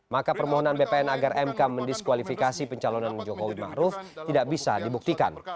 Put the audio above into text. maka permohonan bpn agar mk mendiskualifikasi pencalonan jokowi ma'ruf tidak bisa dibuktikan